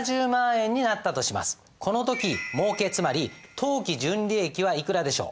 この時もうけつまり当期純利益はいくらでしょう。